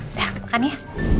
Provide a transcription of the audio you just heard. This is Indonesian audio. udah makan ya